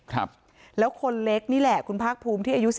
แต่คนเล็กนี้แหละคุณภากภูมิที่อายุ๑๑อะ